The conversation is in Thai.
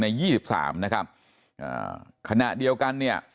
ยี่สิบสามนะครับอ่าขณะเดียวกันเนี่ย